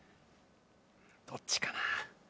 どっちかな。